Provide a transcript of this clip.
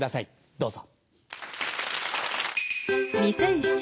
どうぞ。